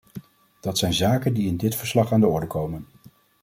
Dat zijn zaken die in dit verslag aan de orde komen.